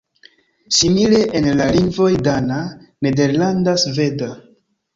Simile en la lingvoj dana, nederlanda, sveda.